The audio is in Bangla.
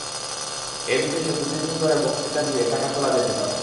এ দেশে দু-তিন বছর ধরে বক্তৃতা দিলে টাকা তোলা যেতে পারে।